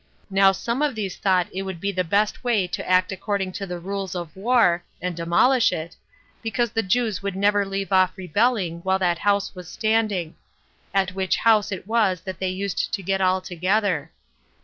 Now some of these thought it would be the best way to act according to the rules of war, [and demolish it,] because the Jews would never leave off rebelling while that house was standing; at which house it was that they used to get all together.